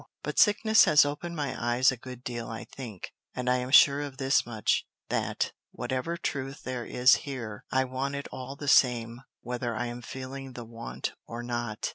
But sickness has opened my eyes a good deal I think; and I am sure of this much, that, whatever truth there is here, I want it all the same whether I am feeling the want or not.